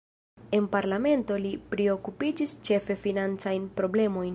En parlamento li priokupiĝis ĉefe financajn problemojn.